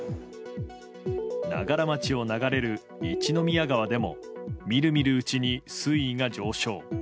長柄町を流れる一宮川でもみるみるうちに水位が上昇。